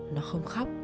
nó không khóc